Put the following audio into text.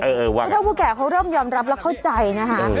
คือเท่าผู้แก่เขาเริ่มยอมรับแล้วเข้าใจนะคะ